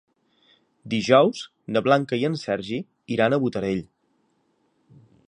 Dijous na Blanca i en Sergi iran a Botarell.